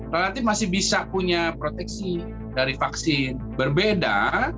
relatif masih bisa punya proteksi dari vaksin berbeda